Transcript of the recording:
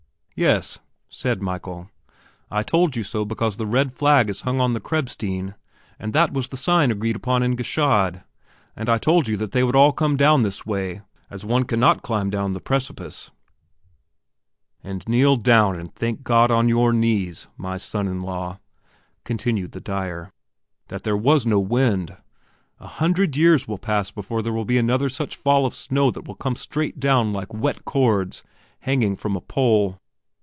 "Yes," said Michael, "I told you so because the red flag is hung out on the Krebsstein, and this was the sign agreed upon in Gschaid. And I told you that they all would come down this way, as one cannot climb down the precipice." "And kneel down and thank God on your knees, my son in law," continued the dyer, "that there was no wind. A hundred years will pass before there will be another such fall of snow that will come down straight like wet cords hanging from a pole.